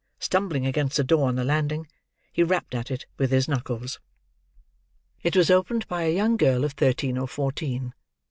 Stumbling against a door on the landing, he rapped at it with his knuckles. It was opened by a young girl of thirteen or fourteen.